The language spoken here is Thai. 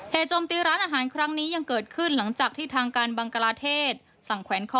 โจมตีร้านอาหารครั้งนี้ยังเกิดขึ้นหลังจากที่ทางการบังกลาเทศสั่งแขวนคอ